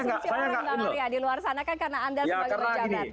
bang arya di luar sana kan karena anda sebagai pejabat